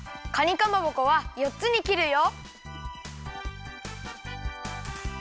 かまぼこはよっつにきるよ。